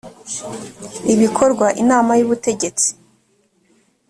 ibikorwa inama y ubutegetsi